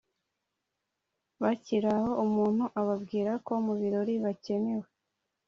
bakiraho umuntu ababwirako mubirori bakenewe.